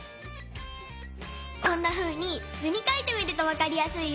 こんなふうにずにかいてみるとわかりやすいよ。